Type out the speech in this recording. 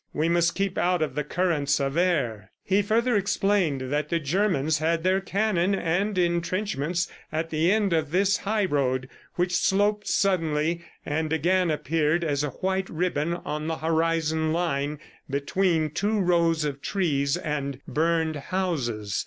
We must keep out of the currents of air." He further explained that the Germans had their cannon and intrenchments at the end of this highroad which sloped suddenly and again appeared as a white ribbon on the horizon line between two rows of trees and burned houses.